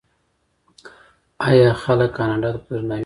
آیا خلک کاناډا ته په درناوي نه ګوري؟